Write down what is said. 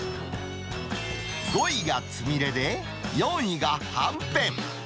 ５位がつみれで、４位がはんぺん。